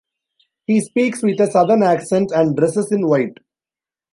He speaks with a Southern accent and dresses in white.